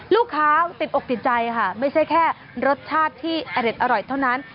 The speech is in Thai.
ลูกค้าติดอกติดใจค่ะไม่ใช่แค่รสชาติที่อเด็ดอร่อยเท่านั้น